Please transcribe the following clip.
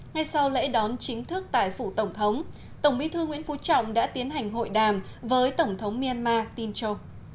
ngay sau lễ đón chính thức tại phủ tổng thống tổng bí thư nguyễn phú trọng đã tiến hành hội đàm với tổng thống myanmar tincho